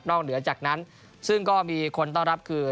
เหนือจากนั้นซึ่งก็มีคนต้อนรับคือ